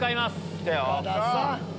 来た！